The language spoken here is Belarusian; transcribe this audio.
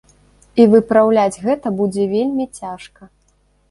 І выпраўляць гэта будзе вельмі цяжка.